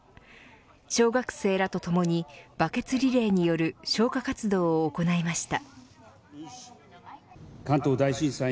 小学生らとともにバケツリレーによる消火活動を行いました。